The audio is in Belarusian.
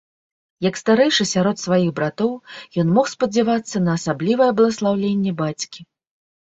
Як старэйшы сярод сваіх братоў, ён мог спадзявацца на асаблівае бласлаўленне бацькі.